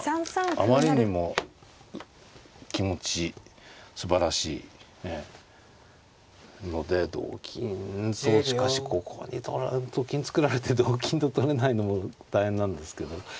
あまりにも気持ちすばらしいので同金としかしここにと金作られて同金と取れないのも大変なんですけど。